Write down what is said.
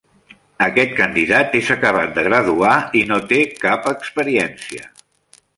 Aquest candidat és acabat de graduar i no té cap experiència.